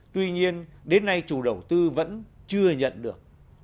tuy nhiên đến nay chủ đầu tư vẫn chưa nhận được